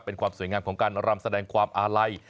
เป็นความสวยงามของการรำแสดงความอาลัย